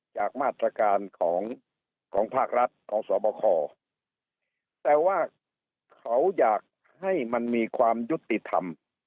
จากมาตรการของของภาครัฐของสบคแต่ว่าเขาอยากให้มันมีความยุติธรรม